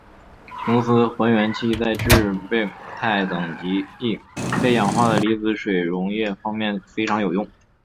琼斯还原器在制备钛等极易被氧化的离子水溶液方面非常有用。